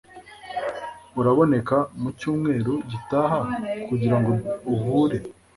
Uraboneka mucyumweru gitaha kugirango uhure?